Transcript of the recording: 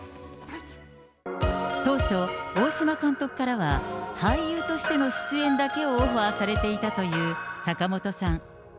当初、大島監督からは俳優としての出演だけをオファーされていたという坂本さん。